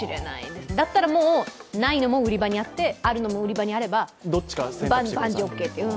だったらもう、ないのも売り場にあって、あるのも売り場にあれば万事オーケーという。